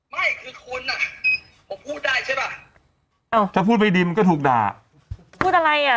ไม่คือคนอ่ะผมพูดได้ใช่ป่ะอ้าวถ้าพูดไม่ดีมันก็ถูกด่าพูดอะไรอ่ะ